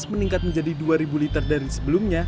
meningkat menjadi dua liter dari sebelumnya